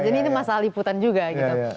jadi ini masalah liputan juga gitu